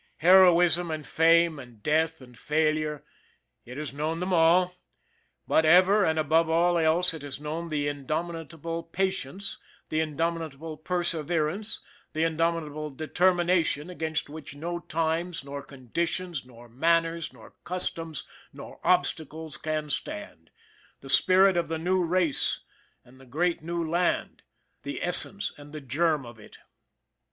Heroism and fame and death and failureit has known them all but ever, and above all else, it has known the indomitable patience, the indomitable perseverance, the indomitable determination against which no times, nor conditions, nor manners, nor cus toms, nor obstacles can stand the spirit of the New Race and the Great New Land, the essence and the germ of it.